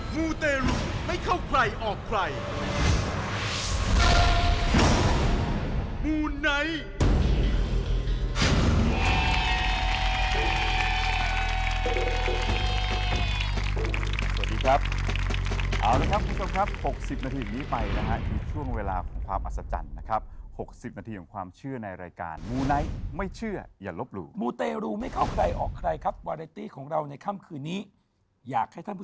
ไม่เชื่ออย่ารับรู้มูเตรุไม่เข้าใครออกใคร